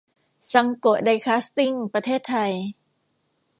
ซังโกะ ไดคาซติ้ง ประเทศไทย